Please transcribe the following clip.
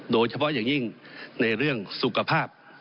โดยเฉพาะอย่างยิ่งในเรื่องสุขภาพ